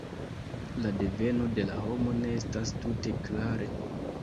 La deveno de la nomo ne estas tute klare.